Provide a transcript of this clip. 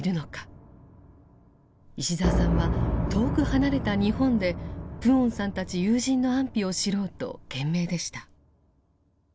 石澤さんは遠く離れた日本でプオンさんたち友人の安否を知ろうと懸命でした。